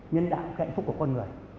nhân đạo hạnh phúc của con người